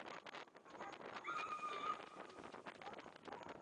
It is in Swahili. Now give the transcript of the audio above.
na Ulaya na Asia Kuinua kiburi cha kitaifa